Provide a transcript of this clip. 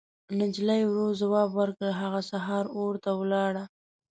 نجلۍ ورو ځواب ورکړ: هغه سهار اور ته ولاړه.